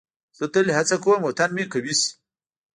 زه تل هڅه کوم وطن مې قوي شي.